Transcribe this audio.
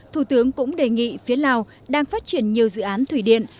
thủ tướng cũng đề nghị phía lào đang phát triển nhiều dự án thủy điện